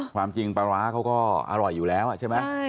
ความจริงปลาร้าเขาก็อร่อยอยู่แล้วใช่ไหม